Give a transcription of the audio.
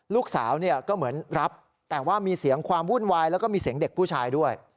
ลูกสาวเนี่ยก็เหมือนรับแต่ว่ามีเสียงความวุ่นวายแล้วก็มีเสียงเด็กผู้ชายด้วย